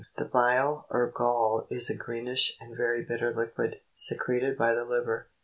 The bile, or gall is a greenish and very bitter liquid, secreted by the liver.